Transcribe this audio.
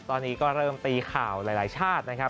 ตอนนี้ก็เริ่มตีข่าวหลายชาตินะครับ